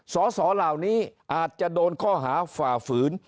สอสอเหล่านี้อาจจะโดนข้อหาฝ่าฝืน